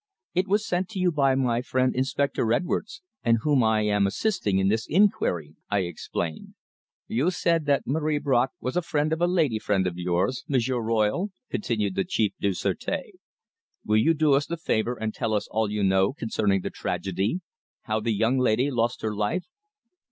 "It was sent to you by my friend, Inspector Edwards, and whom I am assisting in this inquiry," I explained. "You said that Marie Bracq was a friend of a lady friend of yours, M'sieur Royle," continued the Chef du Sureté. "Will you do us the favour and tell us all you know concerning the tragedy how the young lady lost her life?"